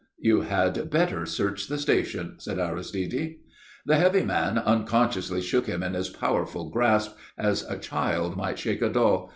"You had better search the station," said Aristide. The heavy man unconsciously shook him in his powerful grasp, as a child might shake a doll.